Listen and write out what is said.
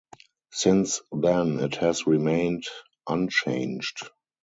Since then it has remained unchanged.